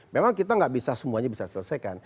memang kita nggak bisa semuanya bisa selesaikan